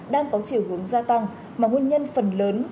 đang có chiều hướng gia tăng mà nguyên nhân phần lớn